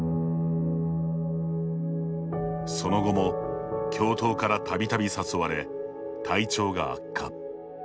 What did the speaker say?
その後も、教頭からたびたび誘われ、体調が悪化。